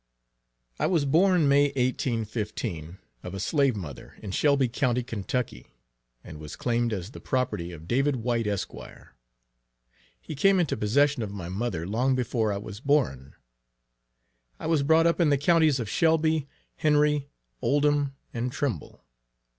_ I was born May 1815, of a slave mother, in Shelby County, Kentucky, and was claimed as the property of David White Esq. He came into possession of my mother long before I was born. I was brought up in the Counties of Shelby, Henry, Oldham, and Trimble.